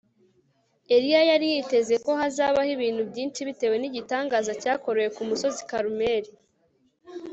Eliya yari yariteze ko hazabaho ibintu byinshi bitewe nigitangaza cyakorewe ku musozi Karumeli